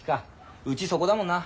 うちそこだもんな。